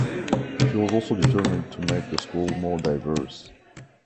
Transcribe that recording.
She was also determined to make the school more diverse.